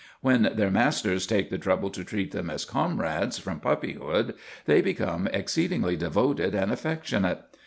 When their masters take the trouble to treat them as comrades from puppyhood, they become exceedingly devoted and affectionate.